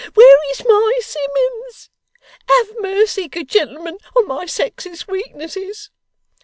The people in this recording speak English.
'Where is my Simmuns!' 'Have mercy, good gentlemen, on my sex's weaknesses!